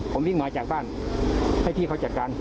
ผมวิ่งมาจากบ้านให้พี่เขาจัดการ